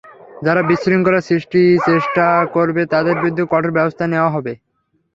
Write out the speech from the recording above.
যারা বিশৃঙ্খলা সৃষ্টির চেষ্টা করবে, তাদের বিরুদ্ধে কঠোর ব্যবস্থা নেওয়া হবে।